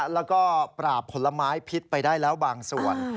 แล้วก็ปราบผลไม้พิษไปได้แล้วบางส่วน